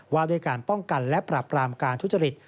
ว่าด้วยการป้องกันและปรับรามการทุจริต